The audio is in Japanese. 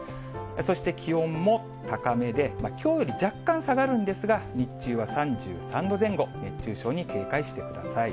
そして気温も高めで、きょうより若干下がるんですが、日中は３３度前後、熱中症に警戒してください。